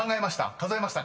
数えましたか？］